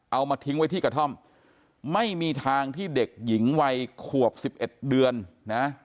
เอามาทิ้งไว้ที่กระท่อมไม่มีทางที่เด็กหญิงวัยขวบ๑๑เดือนนะ